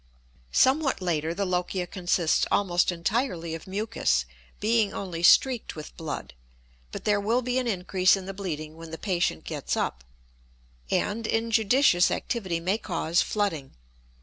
Somewhat later the lochia consists almost entirely of mucus, being only streaked with blood; but there will be an increase in the bleeding when the patient gets up; and injudicious activity may cause flooding.